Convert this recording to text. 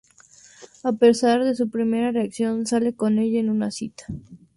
A pesar de su primera reacción, sale con ella en una cita.